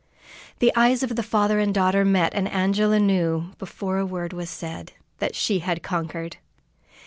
The eyes of the father and daughter met, and Angela knew, before a word was said, that she had conquered.